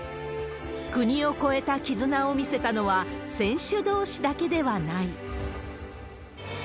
国を超えた絆を見せたのは、選手どうしだけではない。